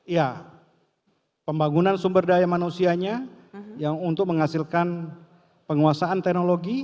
ya pembangunan sumber daya manusianya yang untuk menghasilkan penguasaan teknologi